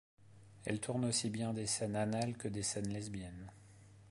Elle tourne aussi bien des scènes anales que des scènes lesbiennes.